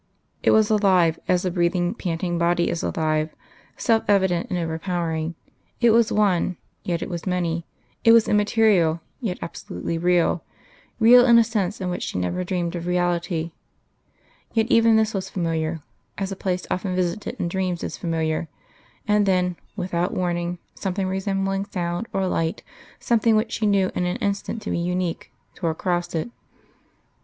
It was alive, as a breathing, panting body is alive self evident and overpowering it was one, yet it was many; it was immaterial, yet absolutely real real in a sense in which she never dreamed of reality.... Yet even this was familiar, as a place often visited in dreams is familiar; and then, without warning, something resembling sound or light, something which she knew in an instant to be unique, tore across it....